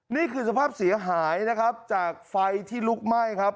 นี่คือสภาพเสียหายนะครับจากไฟที่ลุกไหม้ครับ